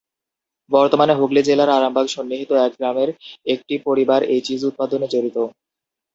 বর্তমানে হুগলি জেলার আরামবাগ সন্নিহিত এক গ্রামের একটি পরিবার এই চিজ উৎপাদনে জড়িত।